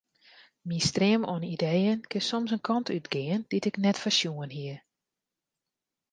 Myn stream oan ideeën kin soms in kant útgean dy't ik net foarsjoen hie.